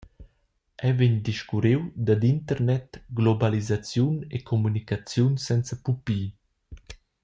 Ei vegn discurriu dad internet, globalisaziun e communicaziun senza pupi.